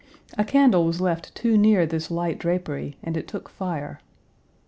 A candle was left too near this light drapery and it took fire.